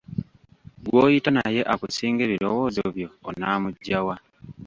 Gw'oyita naye okusinga ebirowooza byo onaamuggya wa?